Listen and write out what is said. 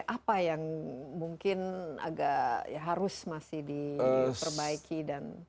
apa yang mungkin agak ya harus masih diperbaiki dan